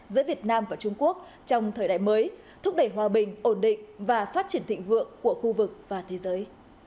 giữa việt nam và trung quốc trong thời đại mới thúc đẩy hòa bình ổn định và phát triển thịnh vượng của khu vực và thế giới